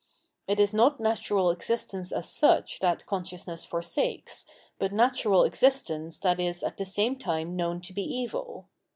It is not natural exist ence as such that consciousness forsakes, but natural existence that is at the same time known to be evil.